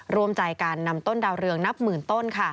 รวมใจการนำต้นดาวเรืองนับหมื่นต้น